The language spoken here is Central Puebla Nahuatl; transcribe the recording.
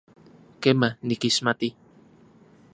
Kema, nikixmati.